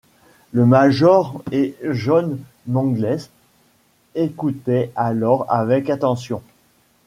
Le major et John Mangles écoutaient alors avec attention.